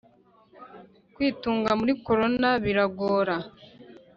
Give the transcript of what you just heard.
kwitunga muri korona biragora